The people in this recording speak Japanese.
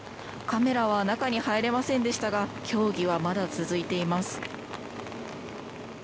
カメラは中に入れませんでしたが協議はまだ続いています。